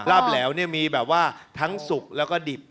แหลวเนี่ยมีแบบว่าทั้งสุกแล้วก็ดิบ